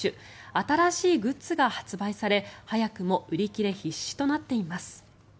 新しいグッズが発売され早くも売り切れ必至となっています。